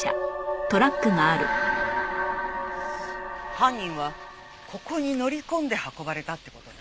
犯人はここに乗り込んで運ばれたって事ね。